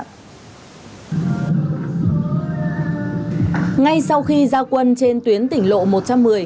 ngay sau khi ra quân trên tuyến tỉnh lộ một trăm một mươi